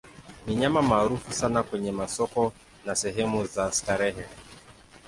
Ni nyama maarufu sana kwenye masoko na sehemu za starehe.